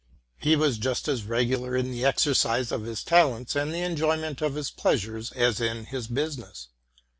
He was just as regular in the exercise of his talents and the enjoyment of his pleasures as in his business.